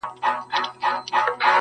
پر زولنو یې دي لیکلي لېونۍ سندري٫